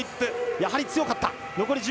やはり強かった。